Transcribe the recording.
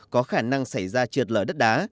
có khả năng xảy ra trượt lở đất đá